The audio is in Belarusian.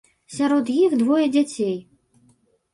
Сярод іх двое дзяцей.